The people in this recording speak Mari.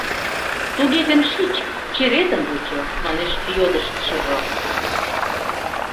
— Туге гын шич, черетым вучо, — манеш йодыштшыжо.